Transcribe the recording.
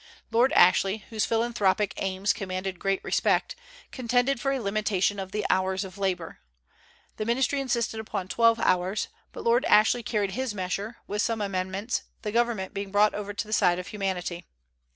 Lord Ashley, whose philanthropic aims commanded great respect, contended for a limitation of the hours of labor. The ministry insisted upon twelve hours; but Lord Ashley carried his measure, with some amendments, the government being brought over to the side of humanity.